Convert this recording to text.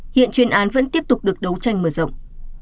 hiện chuyên án vẫn tiếp tục được đấu tranh mở rộng